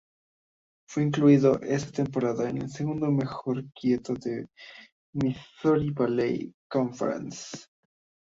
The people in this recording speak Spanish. Fue incluido esa temporada en el segundo mejor quinteto de la Missouri Valley Conference.